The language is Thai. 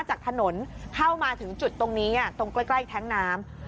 จากถนนเข้ามาถึงจุดตรงนี้ตรงใกล้แท้งน้ำ